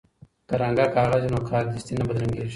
که رنګه کاغذ وي نو کارډستي نه بدرنګیږي.